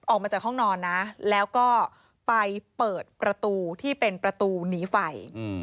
ออกมาจากห้องนอนนะแล้วก็ไปเปิดประตูที่เป็นประตูหนีไฟ